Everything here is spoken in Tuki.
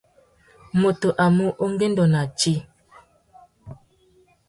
Mutu a mú ungüêndô nà tsi.